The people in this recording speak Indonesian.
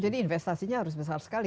jadi investasinya harus besar sekali